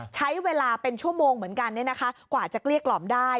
ใช้เวลาเป็นชั่วโมงเหมือนกันกว่าจะเกลี้ยกล่อมได้